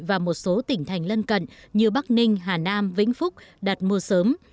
và một số tỉnh thành lân cận như bắc ninh hà nam vĩnh phúc đặt mua sớm